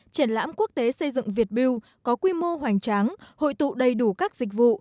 triển lãm quốc tế xây dựng việt build có quy mô hoành tráng hội tụ đầy đủ các dịch vụ